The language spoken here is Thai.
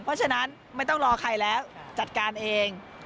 เพราะฉะนั้นไม่ต้องรอใครแล้วจัดการเอง